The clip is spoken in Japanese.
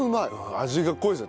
味が濃いですね